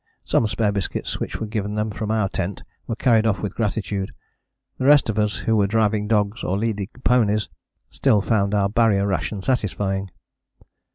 Some spare biscuits which we gave them from our tent were carried off with gratitude. The rest of us who were driving dogs or leading ponies still found our Barrier ration satisfying.